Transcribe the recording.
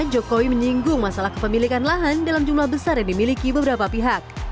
jokowi menyinggung masalah kepemilikan lahan dalam jumlah besar yang dimiliki beberapa pihak